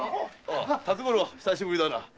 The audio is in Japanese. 辰五郎久しぶりだな。